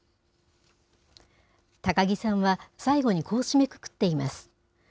高木さんは、最後にこう締めくくっています。